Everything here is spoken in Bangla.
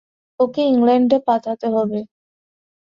ওকে ইংল্যান্ডে পাঠাতে হবে।